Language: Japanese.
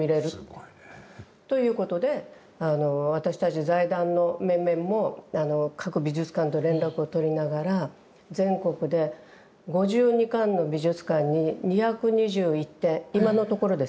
すごいね。ということで私たち財団の面々も各美術館と連絡を取りながら全国で５２館の美術館に２２１点今のところですよ。